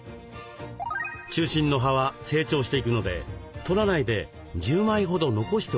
中心の葉は成長していくのでとらないで１０枚ほど残しておきます。